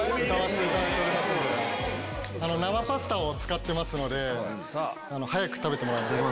生パスタを使ってますので早く食べてもらいたい。